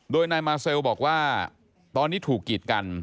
โดยนายมาเซลบอกว่าตอนนี้ถูกกีดกัน